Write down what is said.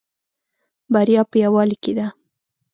بریا په یوالی کې ده